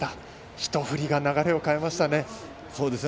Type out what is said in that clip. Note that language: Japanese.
１振りが流れを変えましたね。